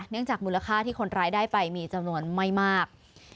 จากมูลค่าที่คนร้ายได้ไปมีจำนวนไม่มาก